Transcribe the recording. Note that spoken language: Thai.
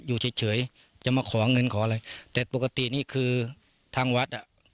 อยู่เฉยเฉยจะมาขอเงินขออะไรแต่ปกตินี่คือทางวัดอ่ะ